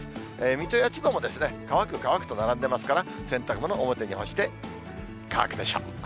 水戸や千葉も乾く、乾くと並んでますから、洗濯物、表に干して乾くでしょう。